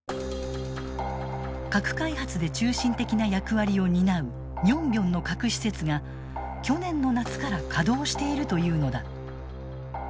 核開発で中心的な役割を担う寧辺の核施設が去年の夏から稼働しているというのだ。